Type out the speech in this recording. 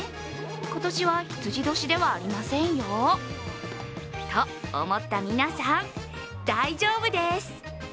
今年はひつじ年ではありませんよ？と思った皆さん大丈夫です！